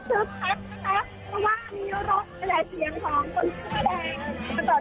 เพราะว่าอันนี้รถใหญ่เสียงของคนชั่วแดง